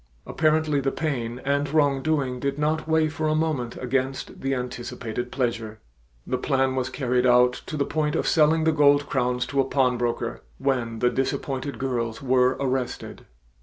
Apparently the pain and wrongdoing did not weigh for a moment against the anticipated pleasure. The plan was carried out to the point of selling the gold crowns to a pawnbroker when the disappointed girls were arrested.